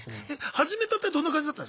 始めたてどんな感じだったんですか？